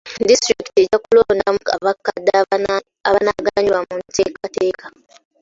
Disitulikiti ejja kulondamu abakadde abanaaganyulwa mu nteekateeka.